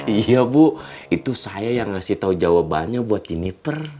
iya bu itu saya yang ngasih tahu jawabannya buat iniper